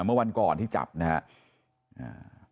เมื่อวันก่อนที่จับนะครับ